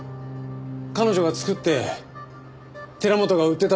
彼女が作って寺本が売ってたんじゃないか？